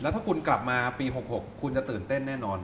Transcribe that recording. ถ้าคุณกลับมาปี๖๖คุณจะตื่นเต้นแน่นอน